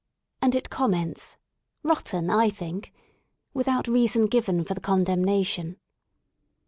*' and it comments; Rotten, /think, without reason given for the condemnation.